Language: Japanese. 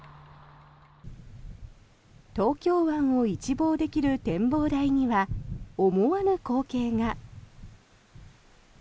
東京湾を一望できる展望台には思わぬ光景が。